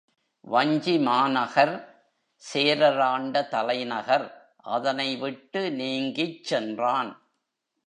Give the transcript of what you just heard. வஞ்சி மாநகர் சேரர் ஆண்ட தலைநகர் அதனை விட்டு நீங்கிச் சென்றான்.